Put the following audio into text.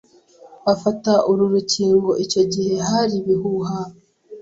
Afata uru rukingo, icyo gihe hari ibihuha